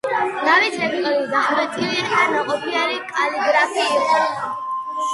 დავით რექტორი დახვეწილი და ნაყოფიერი კალიგრაფი იყო.